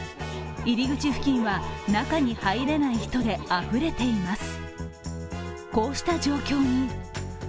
入口付近は、中に入れない人であふれています。